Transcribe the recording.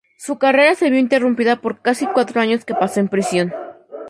Su carrera se vio interrumpida por casi cuatro años que paso en prisión.